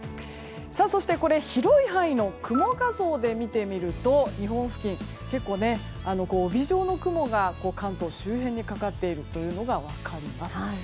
そして、広い範囲の雲画像で見てみると日本付近、結構帯状の雲が関東周辺にかかっているのが分かります。